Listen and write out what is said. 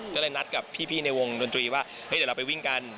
ก็เลยนัดกับพี่ในวงดนตรีว่าเฮ้ยเดี๋ยวเราไปวิ่งกัน